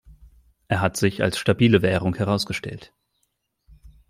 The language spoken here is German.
Er hat sich als stabile Währung herausgestellt.